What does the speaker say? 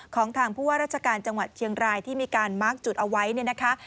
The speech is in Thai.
ของทางผู้ว่าราชการจังหวัดเชียงรายที่มีการมาร์คจุดเอาไว้เนี่ยนะคะ